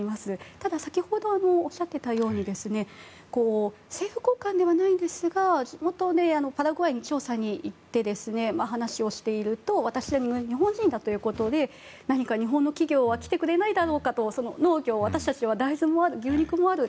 ただ、先ほどおっしゃっていたように政府高官ではないんですがパラグアイに調査に行って話をしていると私が日本人だということで何か、日本の企業は来てくれないだろうかと農業で私たちは大豆や牛肉がある。